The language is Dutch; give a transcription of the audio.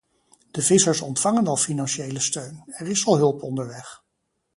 De vissers ontvangen al financiële steun, er is al hulp onderweg.